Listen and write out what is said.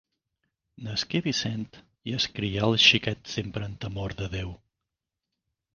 Nasqué Vicent i es crià el xiquet sempre en temor de Déu.